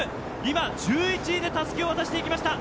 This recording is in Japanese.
１１位でたすきを渡していきました。